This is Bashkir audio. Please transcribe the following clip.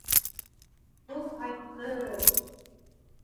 Ул ҡайтты...